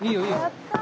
やった。